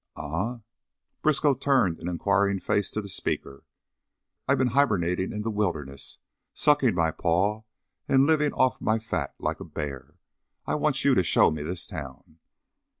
"Eh?" Briskow turned an inquiring face to the speaker. "I've been hibernating in the wilderness, sucking my paw and living off my fat, like a bear. I want you to shown me this town."